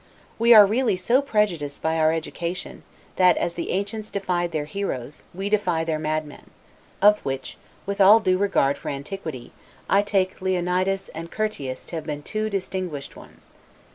We are really so prejudiced by our education, that, as the ancients deified their heroes, we deify their madmen; of which, with all due regard for antiquity, I take Leonidas and Curtius to have been two distinguished ones.